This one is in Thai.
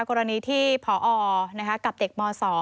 กรณีที่พอกับเด็กม๒